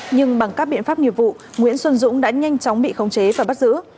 nhưng bằng các biện pháp nghiệp vụ nguyễn xuân dũng đã nhanh chóng bị khống chế và bắt giữ